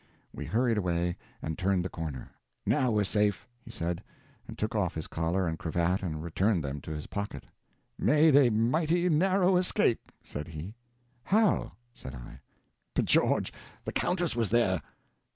We hurried away, and turned the corner. "Now we're safe," he said, and took off his collar and cravat and returned them to his pocket. "Made a mighty narrow escape," said he. "How?" said I. "B' George, the Countess was there!"